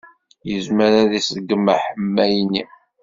Yezmer ad iṣeggem aḥemmay-nni.